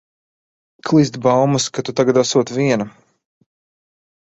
Klīst baumas, ka tu tagad esot viena.